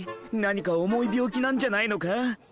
何か重い病気なんじゃないのか？